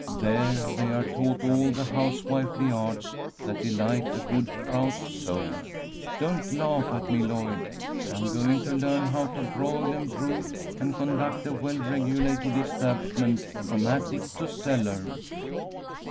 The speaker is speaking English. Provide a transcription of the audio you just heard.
There they are taught all the housewifely arts that delight a good frau's soul. Don't laugh at me, Lloyd. I'm going to learn how to broil and brew and conduct a well regulated establishment from attic to cellar.